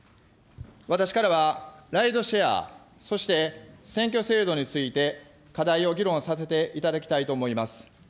私からは、ライドシェア、そして、選挙制度について課題を議論させていただきたいと思います。